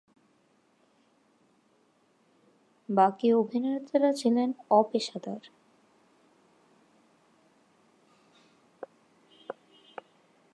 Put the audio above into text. বাকি অভিনেতারা ছিলেন অ-পেশাদার।